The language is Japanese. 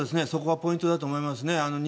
そこはポイントだと思いますね。